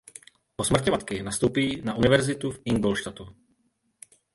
Po smrti matky nastoupí na Universitu v Ingolstadtu.